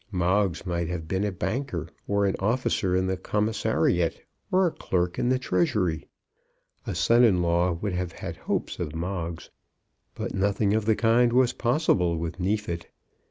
Moggs might have been a banker, or an officer in the Commissariat, or a clerk in the Treasury. A son in law would have had hopes of Moggs. But nothing of the kind was possible with Neefit.